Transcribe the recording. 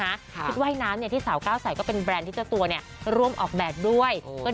ชุดว่ายน้ำที่สาวก้าวใส่ก็เป็นแบรนด์ที่เจ้าตัวเนี่ยร่วมออกแบบด้วย